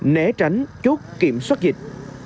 né tránh chốt kiểm soát dịch